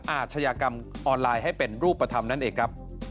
อาชญากรรมออนไลน์ให้เป็นรูปธรรมนั่นเองครับ